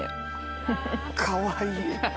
かわいい。